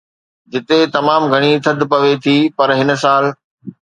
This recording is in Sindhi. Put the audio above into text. جتي تمام گهڻي ٿڌ پوي ٿي پر هن سال